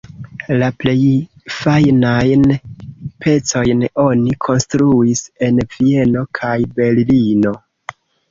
La plej fajnajn pecojn oni konstruis en Vieno kaj Berlino.